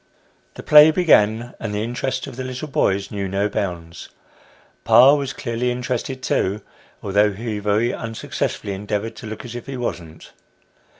The play began, and the interest of the little boys knew no bounds. Pa was clearly interested too, although he very unsuccessfully endeavoured to look as if he wasn't.